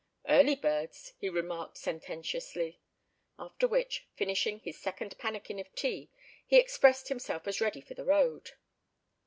"Early birds," he remarked sententiously; after which, finishing his second pannikin of tea, he expressed himself as ready for the road.